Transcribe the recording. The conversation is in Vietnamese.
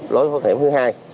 lối thoát hiểm thứ hai